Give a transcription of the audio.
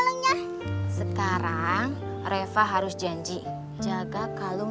sunscreennya ini mahal